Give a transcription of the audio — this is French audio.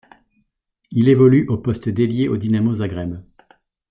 Il évolue au poste d'ailier au Dinamo Zagreb.